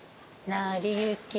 なりゆき。